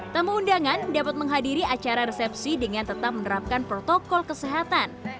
tamu undangan dapat menghadiri acara resepsi dengan tetap menerapkan protokol kesehatan